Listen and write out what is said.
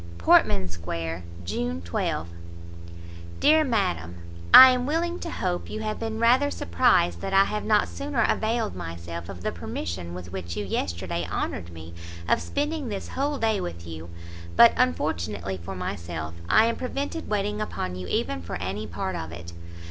PORTMAN SQUARE, June 12. DEAR MADAM, I am willing to hope you have been rather surprised that I have not sooner availed myself of the permission with which you yesterday honoured me of spending this whole day with you, but, unfortunately for myself, I am prevented waiting upon you even for any part of it.